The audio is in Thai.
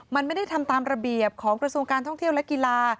มันไม่ได้ทำตามระเบียบของกระทรวงการท่องเที่ยวและกีฬา